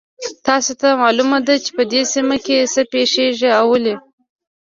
تاسو ته معلومه ده چې په دې سیمه کې څه پېښیږي او ولې